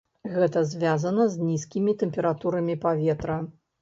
Гэта звязана з нізкімі тэмпературамі паветра.